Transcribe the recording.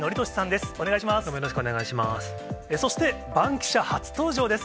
そして、バンキシャ初登場です。